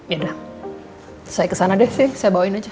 yaudah saya kesana deh sih saya bawain aja